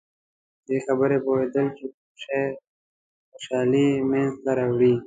د دې خبرې پوهېدل چې کوم شی خوشحالي منځته راوړي.